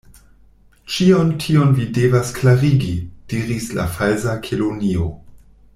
"Ĉion tion vi devas klarigi," diris la Falsa Kelonio.